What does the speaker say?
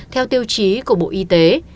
theo tiêu chí của bộ y tế